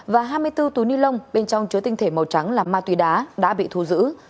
và hai mươi bốn túi ni lông bên trong chứa tinh thể màu trắng là ma túy đá đã bị thu giữ